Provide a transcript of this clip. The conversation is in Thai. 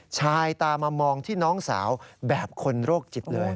ตามมามองที่น้องสาวแบบคนโรคจิตเลย